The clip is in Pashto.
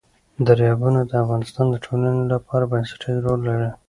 دریابونه د افغانستان د ټولنې لپاره بنسټيز رول لري.